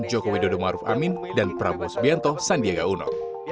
joko widodo maruf amin dan prabowo subianto sandiaga uno